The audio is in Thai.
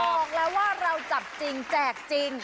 บอกแล้วว่าเราจับจริงแจกจริง